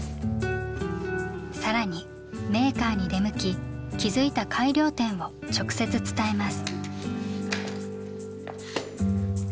さらにメーカーに出向き気付いた改良点を直接伝えます。